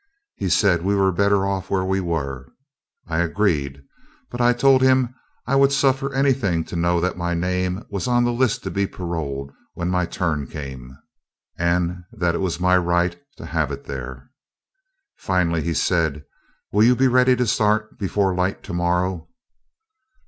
He said we were better off where we were. I agreed, but told him I would suffer anything to know that my name was on the list to be paroled when my turn came, and that it was my right to have it there. Finally he said, "Will you be ready to start before light to morrow?"